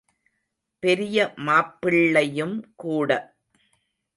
பெரிய மாப்பிள்ளையும் கூட.